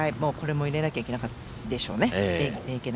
これも入れなければいけないでしょうね。